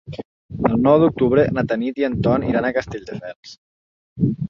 El nou d'octubre na Tanit i en Ton iran a Castelldefels.